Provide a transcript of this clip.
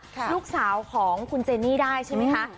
ลูกสาวของคุณเจนี่ได้ใช่ไหมคะ